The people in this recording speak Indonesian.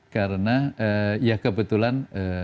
karena ya kebetulan